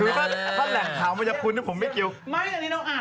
โอลี่คัมรี่ยากที่ใครจะตามทันโอลี่คัมรี่ยากที่ใครจะตามทัน